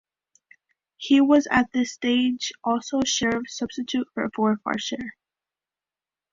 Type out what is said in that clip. He was at this stage also Sheriff Substitute for Forfarshire.